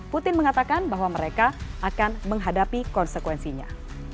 putin mengatakan bahwa mereka akan menghadapi konsekuensinya